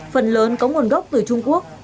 phần lớn có nguồn gốc từ trung quốc